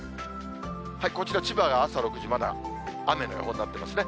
こちら、千葉が朝６時、まだ雨の予報になってますね。